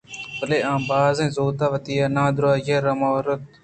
بلئے آہاں باز زُوت وتی اے نادانیءَرا مَرت